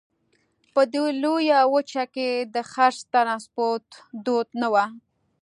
په دې لویه وچه کې د څرخ ټرانسپورت دود نه وو.